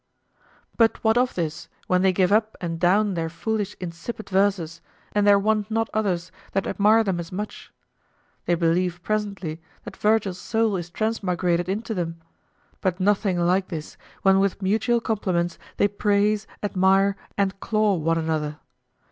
But what of this when they give up and down their foolish insipid verses, and there wants not others that admire them as much? They believe presently that Virgil's soul is transmigrated into them! But nothing like this, when with mutual compliments they praise, admire, and claw one another.